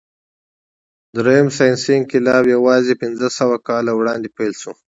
درېیم ساینسي انقلاب یواځې پنځهسوه کاله وړاندې پیل شو.